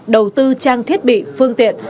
đầu tư trang thiết bị phương tiện